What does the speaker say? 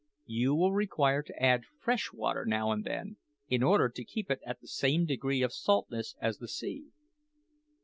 You will require to add fresh water now and then, in order to keep it at the same degree of saltness as the sea."